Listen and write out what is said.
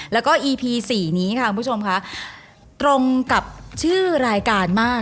แล้วก็อีพีสี่นี้ค่ะคุณผู้ชมค่ะตรงกับชื่อรายการมาก